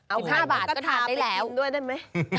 ๑๕บาทก็ถาดได้แล้วไข่นกระทาไปกินด้วยได้ไหม